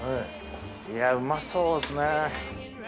いやうまそうですね。